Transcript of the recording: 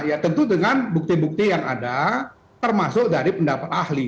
ya tentu dengan bukti bukti yang ada termasuk dari pendapat ahli